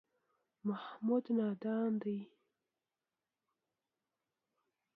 محمود نادان دی.